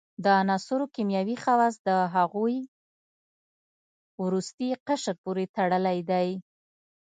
د عناصرو کیمیاوي خواص د هغوي وروستي قشر پورې تړلی دی.